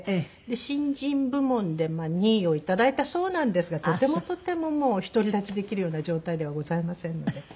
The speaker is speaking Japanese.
新人部門でまあ２位をいただいたそうなんですがとてもとてももう独り立ちできるような状態ではございませんので。